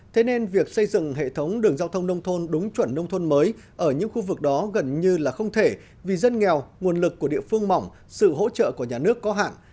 thế nên việc xây dựng hệ thống đường giao thông nông thôn đúng chuẩn nông thôn mới ở những khu vực đó gần như là không thể vì dân nghèo nguồn lực của địa phương mỏng sự hỗ trợ của nhà nước có hạn